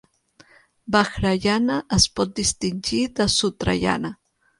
Vajrayana es pot distingir de Sutrayana.